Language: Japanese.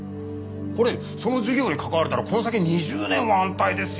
これその事業に関われたらこの先２０年は安泰ですよ。